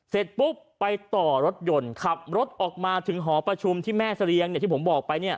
เสร็จปุ๊บไปต่อรถยนต์ขับรถออกมาถึงหอประชุมที่แม่เสรียงที่ผมบอกไปเนี่ย